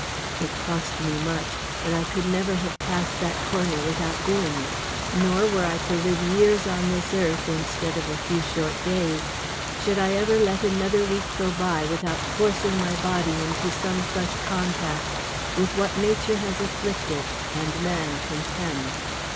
It cost me much, but I could never have passed that corner without doing it; nor were I to live years on this earth, instead of a few short days, should I ever let another week go by without forcing my body into some such contact with what nature has afflicted and man contemned.